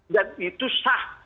dan itu sah